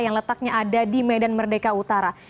yang letaknya ada di medan merdeka utara